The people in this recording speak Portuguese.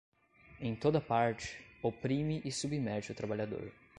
em toda a parte, oprime e submete o trabalhador